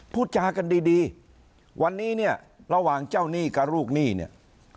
พูดจากันดีดีวันนี้เนี่ยระหว่างเจ้าหนี้กับลูกหนี้เนี่ย